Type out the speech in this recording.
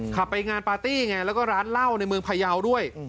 ไปงานปาร์ตี้ไงแล้วก็ร้านเหล้าในเมืองพยาวด้วย